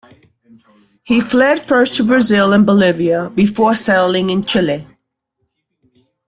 He fled first to Brazil and Bolivia, before settling in Chile.